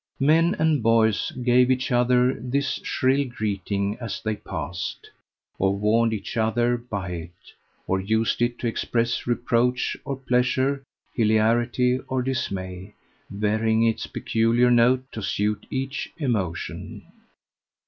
Men and boys gave each other this shrill greeting as they passed, or warned each other by it, or used it to express reproach or pleasure, hilarity or dismay, varying its peculiar note to suit each emotion.